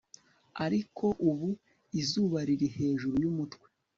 ariko ubu izuba riri hejuru yumutwe